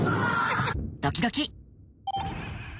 ドキドキ。